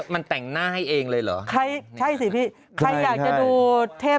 มันแต่งหน้าให้เองเลยเหรอใครใช่สิพี่ใครอยากจะดูเทพ